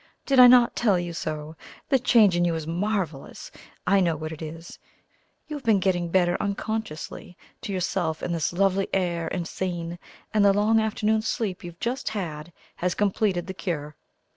"Did I not tell you so? The change in you is marvellous! I know what it is. You have been getting better unconsciously to yourself in this lovely air and scene, and the long afternoon sleep you've just had has completed the cure."